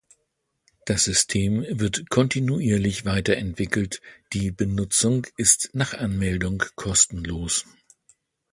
Das System wird kontinuierlich weiterentwickelt, die Benutzung ist nach Anmeldung kostenlos.